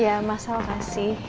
ya masalah kasih